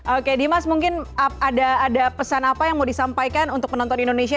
oke dimas mungkin ada pesan apa yang mau disampaikan untuk penonton indonesia